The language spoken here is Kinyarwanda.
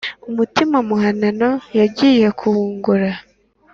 umutima muhanano yagiye kuwungura